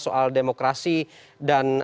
soal demokrasi dan